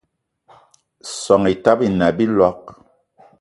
Soan Etaba ine a biloig